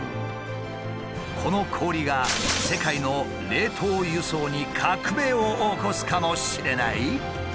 この氷が世界の冷凍輸送に革命を起こすかもしれない！？